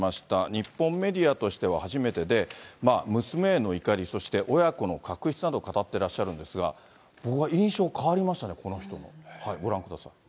日本メディアとしては初めてで、娘への怒り、そして親子の確執などを語ってらっしゃるんですが、僕は印象変わりましたね、この人のね。